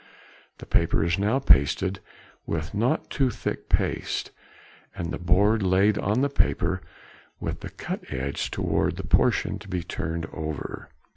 The paper is now pasted with not too thick paste, and the board laid on the paper with the cut edge towards the portion to be turned over.